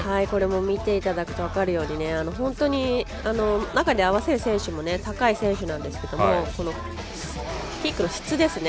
見ていただくと分かるように本当に中で合わせる選手も高い選手なんですけどキックの質ですね